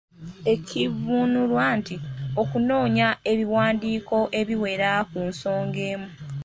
Ekivvuunulwa nti okunoonya ebiwandiiko ebiwera ku nsonga emu.